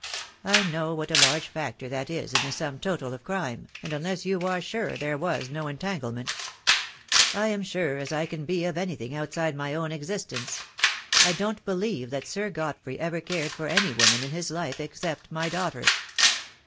I know what a large factor that is in the sum total of crime, and unless you are sure there was no entangle ment " "I am as sure as I can be of anything outside my own existence. I don't believe that Sir Godfrey ever cared for any woman in his life except my daughter."